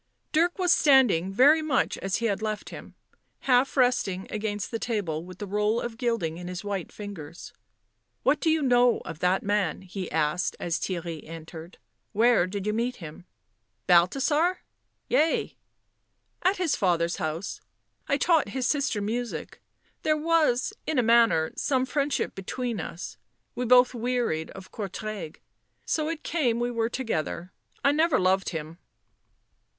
Dirk was standing very much as he had left him, half resting against the table with the roll of gilding in his white fingers. "What do you know of that man?" he asked, as Theirry entered. " Where did you meet him?" " Balthasar?" "Yea." " At his father's house. I taught his sister music. There was, in a manner, some friendship between us ... we both wearied of Courtrai ... so it came we were together. I never loved him."